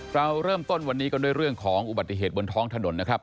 เราเริ่มต้นวันนี้กันด้วยเรื่องของอุบัติเหตุบนท้องถนนนะครับ